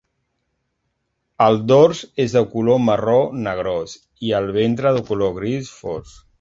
El dors és de color marró negrós i el ventre de color gris fosc.